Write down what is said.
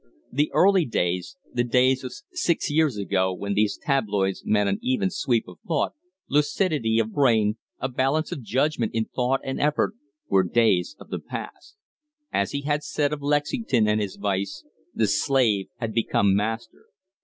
The early days the days of six years ago, when these tabloids meant an even sweep of thought, lucidity of brain, a balance of judgment in thought and effort were days of the past. As he had said of Lexington and his vice, the slave had become master.